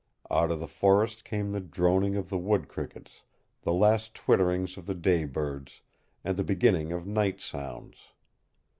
Out of the forest came the droning of the wood crickets, the last twitterings of the day birds, and the beginning of night sounds.